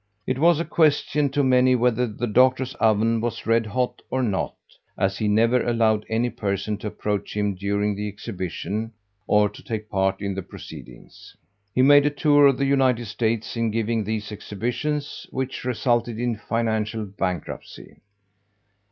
It was a question to many whether the Doctor's oven was red hot or not, as he never allowed any person to approach him during the exhibition or take part in the proceedings. He made a tour of the United States in giving these exhibitions, which resulted in financial bankruptcy.